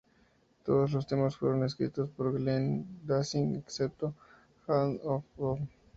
Todos los temas fueron escritos por Glenn Danzig, excepto ""Hand of Doom"".